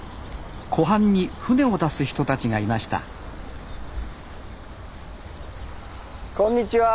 湖畔に船を出す人たちがいましたこんにちは。